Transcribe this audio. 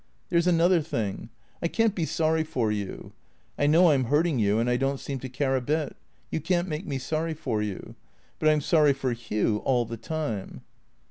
" There 's another thing. I can't be sorry for you. I know I 'm hurting you, and I don't seem to care a bit. You can't make me sorry for you. But I 'm sorry for Hugh all the time."